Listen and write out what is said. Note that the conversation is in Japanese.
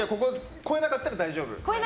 越えなかったら大丈夫。